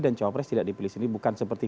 dan cawapres tidak dipilih sendiri bukan seperti